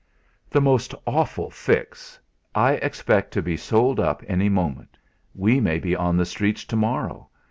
"The most awful fix. I expect to be sold up any moment. We may be on the streets to morrow.